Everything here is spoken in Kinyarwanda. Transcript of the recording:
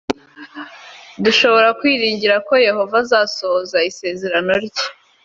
dushobora kwiringira ko yehova azasohoza isezerano rye